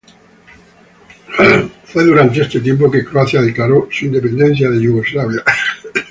Fue durante este tiempo que Croacia declaró su independencia de Yugoslavia.